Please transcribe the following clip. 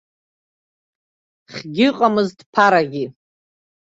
Хьгьы ыҟамызт, ԥарагьы!